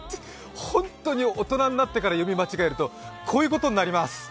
本当に大人になってから読み間違えると、こういうことになります。